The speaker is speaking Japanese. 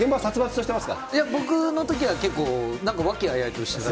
いや、僕のときは結構、なんか和気あいあいとしてた。